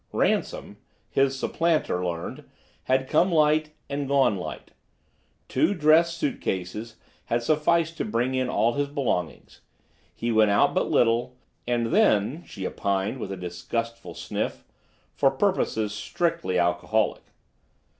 "Ransom," his supplanter learned, had come light and gone light. Two dress suit cases had sufficed to bring in all his belongings. He went out but little, and then, she opined with a disgustful sniff, for purposes strictly alcoholic.